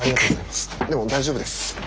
でも大丈夫です。